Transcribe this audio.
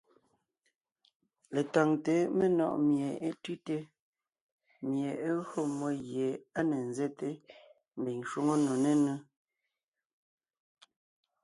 Letáŋte menɔ̀ʼ mie é tʉ́te, mie é gÿo mmó gie á ne nzɛ́te mbiŋ shwóŋo nò nénʉ́.